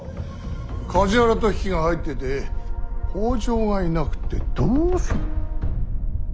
梶原と比企が入ってて北条がいなくてどうする。